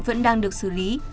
vẫn đang được xử lý